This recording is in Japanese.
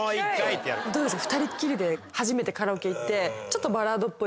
どうですか？